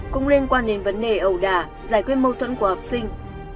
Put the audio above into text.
cũng liên quan đến vấn đề ẩu đà giải quyết mâu thuẫn của học sinh